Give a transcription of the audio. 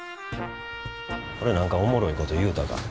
俺何かおもろいこと言うたか？